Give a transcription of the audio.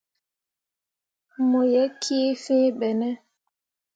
Mo ye kii fìi ɓe ne ?